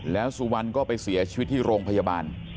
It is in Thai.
แล้วสุวรรณก็ไปเสียชีวิตที่โรงพยาบาล